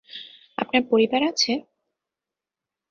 আপনার পরিবার আছে?